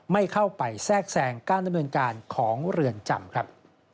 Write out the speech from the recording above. ไม่เข้าไปแทรกแทรงการดำเนินการของเรือนจำครับ